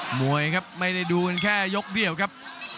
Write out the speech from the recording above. มวยครับไม่ได้ดูกันแค่ยกเดียวครับ